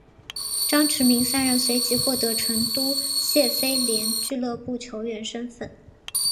张池明三人随即获得成都谢菲联俱乐部球员身份。